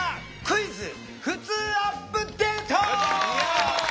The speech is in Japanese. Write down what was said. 「クイズふつうアップデート」！